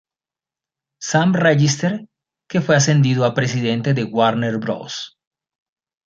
Sam Register, que fue ascendido a presidente de Warner Bros.